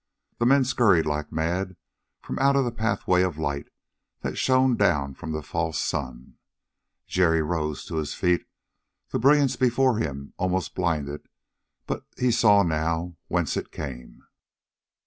The men scurried like mad from out the pathway of light that shone down from the false sun. Jerry rose to his feet; the brilliance before him almost blinded, but he saw now whence it came.